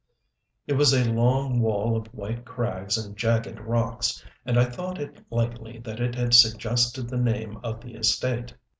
It was a long wall of white crags and jagged rocks, and I thought it likely that it had suggested the name of the estate.